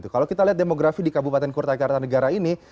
kalau kita lihat demografi di kabupaten kota jakarta negara ini